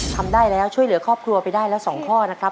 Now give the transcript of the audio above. ทำได้แล้วช่วยเหลือครอบครัวไปได้แล้ว๒ข้อนะครับ